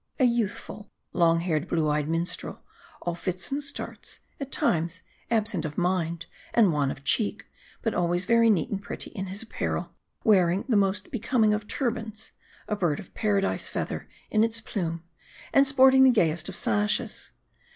A youth ful, long haired, blue eyed minstrel ; all fits and starts ; at times, absent of mind, and wan of cheek ; but always very neat and pretty in his apparel ; wearing the most becoming of turbans, a Bird of Paradise feather its plume, and sport ing the gayest of sashes.